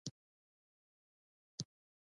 آیا د پسونو حلالول د روغې نښه نه ده؟